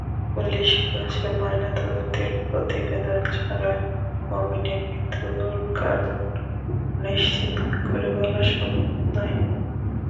Police বলছে, ময়নাতদন্তের প্রতিবেদন ছাড়া মোমিনের মৃত্যুর কারণ নিশ্চিত করে বলা সম্ভব নয়।